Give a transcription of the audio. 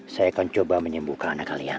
saya akan coba menyembuhkan anak kalian